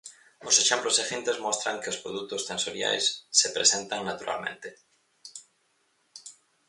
Os exemplos seguintes mostran que os produtos tensoriais se presentan naturalmente.